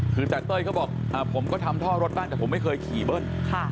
คือแต่เต้ยเขาบอกผมก็ทำท่อรถบ้างแต่ผมไม่เคยขี่เบิ้ล